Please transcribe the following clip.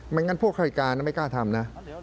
ไม่งั้นพวกศักดิ์การไม่กล้าทำนะ